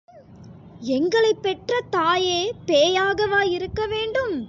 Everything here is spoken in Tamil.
ஊம்...... எங்களைப் பெற்ற தாயே பேயாகவா இருக்கவேண்டும்!